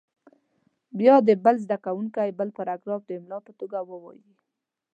بیا دې بل زده کوونکی بل پاراګراف د املا په توګه ووایي.